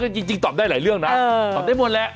จริงตอบได้หลายเรื่องนะตอบได้หมดแหละ